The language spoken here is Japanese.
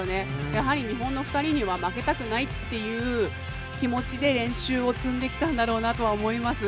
やはり日本の２人には負けたくないっていう気持ちで練習を積んできたんだろうなとは思います。